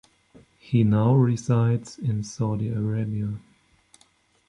He now resides in Saudi Arabia.